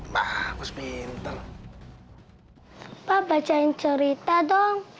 bapak baca cerita dong